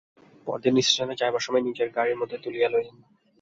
পরদিন স্টেশনে যাইবার সময় নিজের গাড়ির মধ্যে তুলিয়া লইলেন।